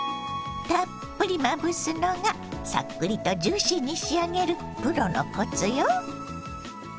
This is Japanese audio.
たっぷりまぶすのがさっくりとジューシーに仕上げるプロのコツよ。